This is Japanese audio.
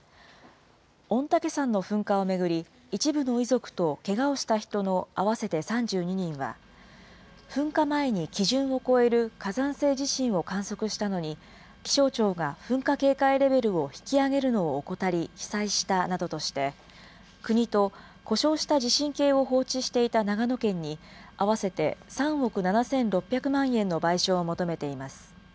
御嶽山の噴火を巡り、一部の遺族とけがをした人の合わせて３２人は、噴火前に基準を超える火山性地震を観測したのに、気象庁が噴火警戒レベルを引き上げるのを怠り、被災したなどとして、国と、故障した地震計を放置していた長野県に、合わせて３億７６００万円の賠償を求めています。